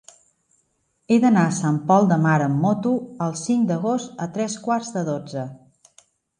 He d'anar a Sant Pol de Mar amb moto el cinc d'agost a tres quarts de dotze.